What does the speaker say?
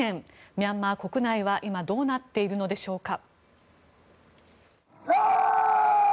ミャンマー国内は今どうなっているのでしょうか。